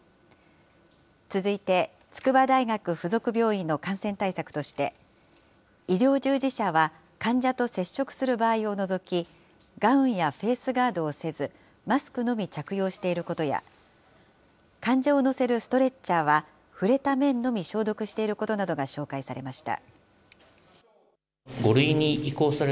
続いて、筑波大学附属病院の感染対策として、医療従事者は患者と接触する場合を除き、ガウンやフェースガードをせず、マスクのみ着用していることや、患者を乗せるストレッチャーは、触れた面のみ消毒していることなどが紹介されました。